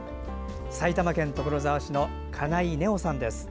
埼玉県所沢市の金井ｎｅｏさんです。